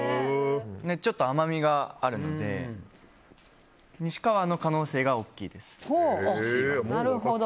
ちょっと甘みがあるのでに志かわの可能性が大きいです。